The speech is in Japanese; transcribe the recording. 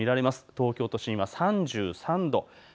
東京都心は３３度。